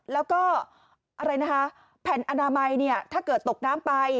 แล้วก็แผนอนามัยถ้าเกิดตกน้ำไป